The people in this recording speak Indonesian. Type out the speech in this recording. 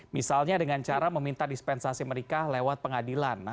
misalnya dengan cara meminta dispensasi mereka lewat pengadilan